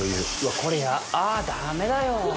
これあダメだよ！